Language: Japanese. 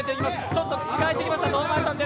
ちょっと口が開いてきました、堂前さん。